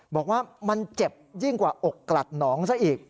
บอกว่ามันเจ็บยิ่งกว่าอกกลัดหนองซะอีก